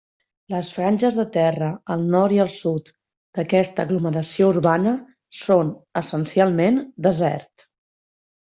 Les franges de terra al nord i al sud d'aquesta aglomeració urbana són, essencialment, desert.